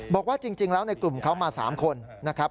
บอกว่าจริงแล้วในกลุ่มเขามา๓คนนะครับ